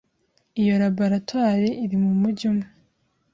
Iyo laboratoire iri mu mujyi umwe